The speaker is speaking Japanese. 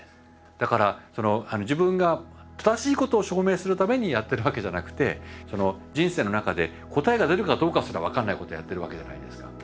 だから自分が正しいことを証明するためにやってるわけじゃなくて人生の中で答えが出るかどうかすら分からないことをやってるわけじゃないですか。